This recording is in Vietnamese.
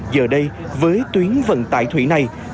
giờ đây với tuyến vận tải thủy này